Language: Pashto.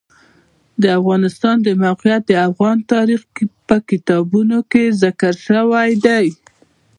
د افغانستان د موقعیت د افغان تاریخ په کتابونو کې ذکر شوی دي.